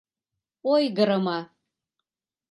Ойгырымо